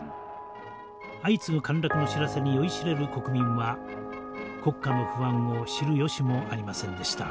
相次ぐ陥落の知らせに酔いしれる国民は国家の不安を知る由もありませんでした。